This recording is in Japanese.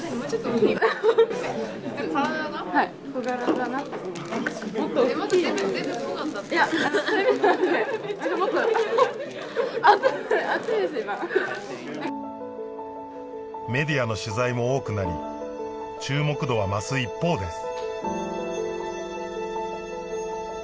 今メディアの取材も多くなり注目度は増す一方です